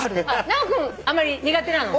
直君あんまり苦手なの？